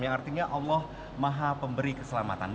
yang artinya allah maha pemberi keselamatan